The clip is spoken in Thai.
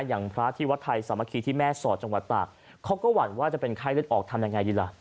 อย่างพระที่วัดไทยสามัคคีที่แม่สอดจังหวัดตากเขาก็หวั่นว่าจะเป็นไข้เลือดออกทำยังไงดีล่ะ